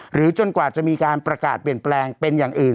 จนกว่าจะมีการประกาศเปลี่ยนแปลงเป็นอย่างอื่น